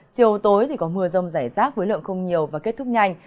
chiều tối thì có mưa rông rải rác với lượng không nhiều và kết thúc nhanh